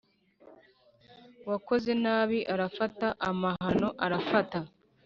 uwakoze nabi arafata, amahano arafata.